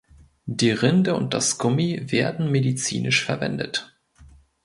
Die Rinde und das Gummi werden medizinisch verwendet.